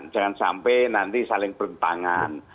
jangan sampai nanti saling bertentangan